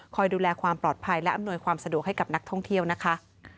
ดูแลความปลอดภัยและอำนวยความสะดวกให้กับนักท่องเที่ยวนะคะ